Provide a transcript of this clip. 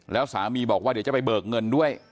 แล้วสามีบอกว่าเดี๋ยวจะไปเบิกเงินด้วย